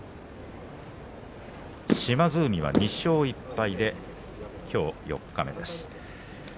島津海は、２勝１敗きょう四日目です。